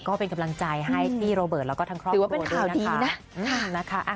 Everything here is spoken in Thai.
ก็เป็นกำลังใจให้พี่โรเบิร์ตแล้วก็ทั้งครอบครัวเป็นข่าวดีนะนะคะ